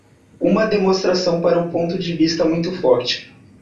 Uma demonstração para um ponto de vista muito forte.